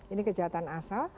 ini kejahatan asal